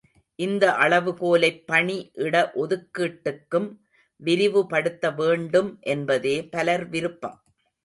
இந்த அளவுகோலைப் பணி இட ஒதுக்கீட்டுக்கும் விரிவுபடுத்த வேண்டும் என்பதே பலர் விருப்பம்.